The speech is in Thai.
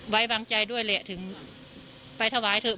ไว้วางใจด้วยแหละถึงไปถวายเถอะ